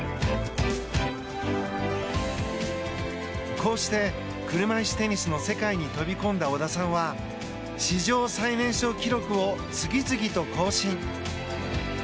こうして車いすテニスの世界に飛び込んだ小田さんは史上最年少記録を次々と更新。